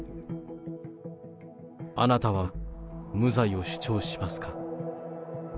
あなたは無罪を主張しますか？